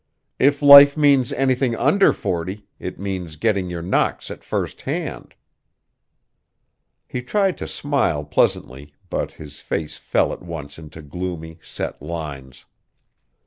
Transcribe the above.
If life means anything under forty, it means getting your knocks at first hand." He tried to smile pleasantly, but his face fell at once into gloomy, set lines.